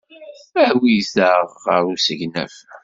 Awit-aɣ ɣer usegnaf.